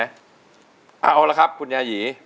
เอาละครับคุณยายี